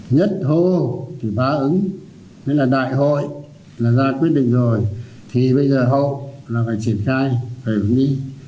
nhất hô thì bá ứng nên là đại hội là ra quyết định rồi thì bây giờ hậu là phải triển khai phải hướng đi